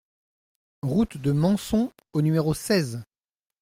Route de Manson au numéro seize